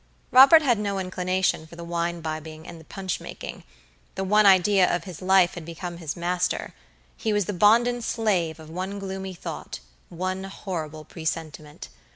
Robert had no inclination for the wine bibbing and the punch making. The one idea of his life had become his master. He was the bonden slave of one gloomy thoughtone horrible presentiment.